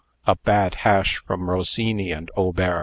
a bad hash from Rossini and Auber."